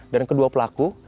dan kedua pelaku